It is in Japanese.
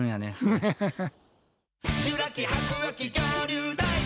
ハハハハ。